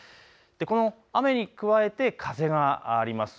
この雨に加えて風があります。